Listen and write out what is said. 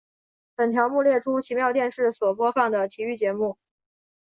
本条目列出奇妙电视所播放的体育节目。